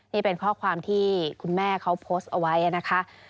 นี่เป็นข้อความที่คุณแม่เขาโพสต์เอาไว้นะคะ